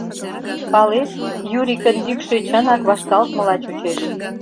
Палет, Юрикын йӱкшӧ чынак вашталтмыла чучеш.